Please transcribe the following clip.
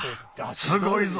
すごいぞ！